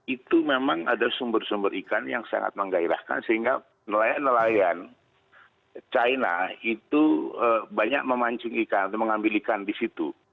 itu memang ada sumber sumber ikan yang sangat menggairahkan sehingga nelayan nelayan china itu banyak memancing ikan atau mengambil ikan di situ